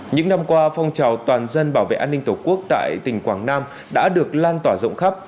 những năm qua phong trào toàn dân bảo vệ an ninh tổ quốc tại tỉnh quảng nam đã được lan tỏa rộng khắp